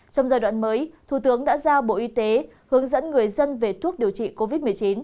trong giai đoạn mới thủ tướng đã giao bộ y tế hướng dẫn người dân về thuốc điều trị covid một mươi chín